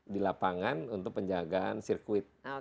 di lapangan untuk penjagaan sirkuit